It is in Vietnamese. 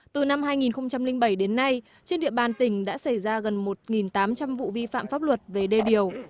từ năm hai nghìn bảy đến nay trên địa bàn tỉnh đã xảy ra gần một tám trăm linh vụ vi phạm pháp luật về đê điều